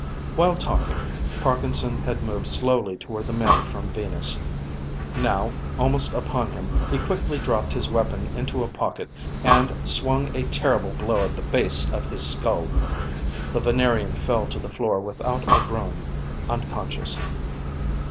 While talking, Parkinson had moved slowly toward the man from Venus; now, almost upon him, he quickly dropped his weapon into a pocket, and swung a terrible blow at the base of his skull. The Venerian fell to the floor without a groan, unconscious.